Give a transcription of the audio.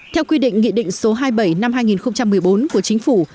theo quy định nghị định số hai mươi bảy năm hai nghìn một mươi bốn của chính phủ